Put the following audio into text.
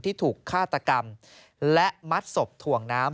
ที่ถูกฆาตกรรมและมัดศพถ่วงน้ำ